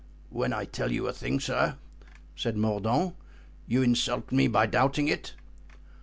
"When I tell you a thing, sir," said Mordaunt, "you insult me by doubting it."